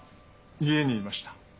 家にいました。